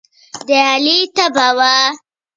د بیضو د پړسوب لپاره د کرم پاڼه وکاروئ